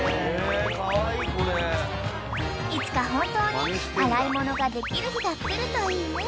［いつか本当に洗い物ができる日が来るといいね］